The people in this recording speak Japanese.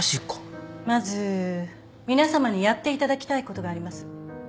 まず皆さまにやっていただきたいことがあります。